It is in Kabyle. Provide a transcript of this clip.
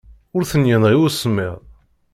Ur ten-yenɣi usemmiḍ.